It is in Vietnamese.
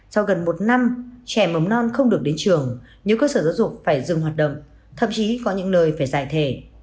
sau gần một năm trẻ mầm non không được đến trường nếu cơ sở giáo dục phải dừng hoạt động thậm chí có những nơi phải giải thể